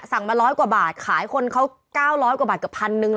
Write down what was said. สั่งมา๑๐๐กว่าบาทขายคนเขา๙๐๐บาทกับ๑๐๐๐